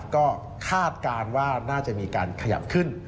ก็คาดการณ์ว่าน่าจะมีการขยับขึ้น